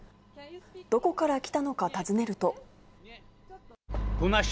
どこから来たのか尋ねると。